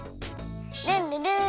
ルンルルーン。